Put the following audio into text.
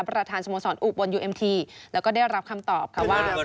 ประธานสโมสรอุบลยูเอ็มทีแล้วก็ได้รับคำตอบค่ะว่า